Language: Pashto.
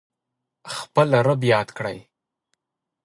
خپل رب یاد کړئ